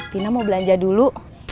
tina mau belanja dulu